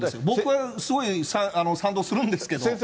僕は、すごい賛同するんですけど。